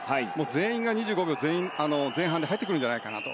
全員が２５秒前半で入ってくるんじゃないかなと。